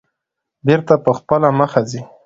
بېرته په خپله مخه ځي.